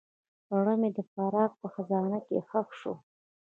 زړه مې د فراق په خزان کې ښخ شو.